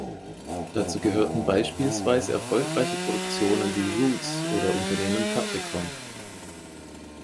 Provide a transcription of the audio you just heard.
Dazu gehörten beispielsweise erfolgreiche Produktionen wie "Roots" oder "Unternehmen Capricorn".